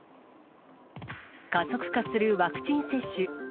加速化するワクチン接種。